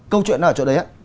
câu chuyện nó ở chỗ đấy á